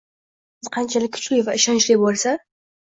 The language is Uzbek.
Va so‘zimiz qanchalik kuchli va ishonchli bo‘lsa